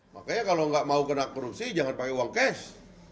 makanya kalau nggak mau kena korupsi jangan pakai uang cash